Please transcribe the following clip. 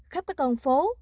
khắp các con phố